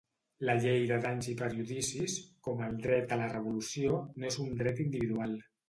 La llei de danys i perjudicis, com el dret a la revolució, no és un dret individual.